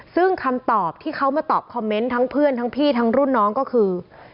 ซึ่งคำตอบที่เขามาตอบคอมเมนต์ทั้งเพื่อนทั้งพี่ทั้งรุ่นน้องก็คือ